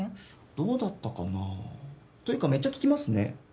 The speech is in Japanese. どうだったかな？というかめっちゃ聞きますね。